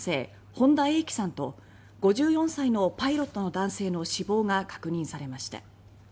本田英希さんと５４歳のパイロットの男性の死亡が確認されました。